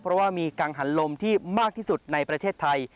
เพราะว่ามีกังหันลมที่มากที่สุดในประเทศไทย